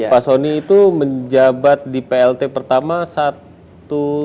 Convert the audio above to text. pak soni itu menjabat di plt pertama satu